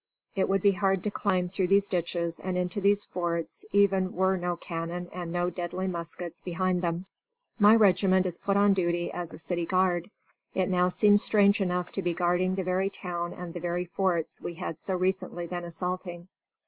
It would be hard to climb through these ditches and into these forts even were no cannon and no deadly muskets behind them. "My regiment is put on duty as a city guard. It now seems strange enough to be guarding the very town and the very forts we had so recently been assaulting.